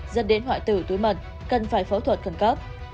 dẫn đến hoại tử túi mật cần phải phẫu thuật khẩn cấp